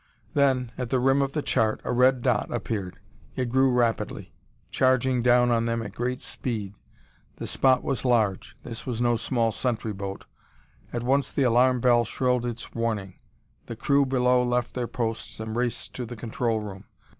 Then, at the rim of the chart, a red dot appeared! It grew rapidly, charging down on them at great speed. The spot was large; this was no small sentry boat! At once the alarm bell shrilled its warning; the crew below left their posts and raced to the control room.